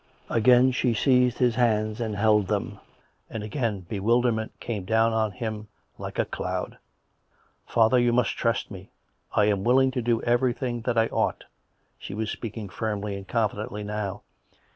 Again she seized his hands and held them. And again bewilderment came down on him like a cloud. " Father ! you must trust me. I am willing to do every thing that I ought." (She was speaking firmly and confi dently now.)